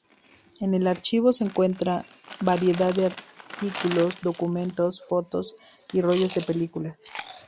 En el archivo, se encuentran variedad de artículos, documentos, fotos y rollos de películas.